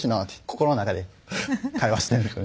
心の中で会話してるんです